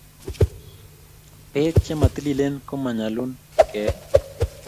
pek che matililen ko manyalun ke eee